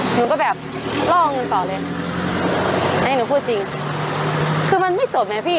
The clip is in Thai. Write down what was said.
หนูก็แบบล่อเงินต่อเลยอันนี้หนูพูดจริงคือมันไม่จบไงพี่